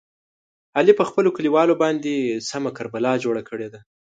علي په خپلو کلیوالو باندې سمه کربلا جوړه کړې ده.